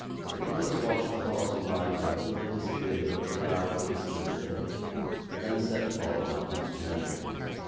Nicholas watched the horse and rider until they disappeared over the brow of a distant hill, and then set forward on his journey.